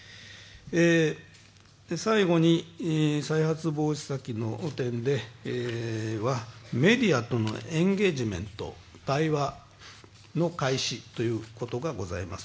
最後に、再発防止策の点ではメディアとのエンゲージメント、対話の開始ということがございます。